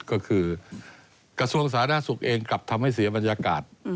ก็คือกระทรวงสาธารณสุขเองกลับทำให้เสียบรรยากาศ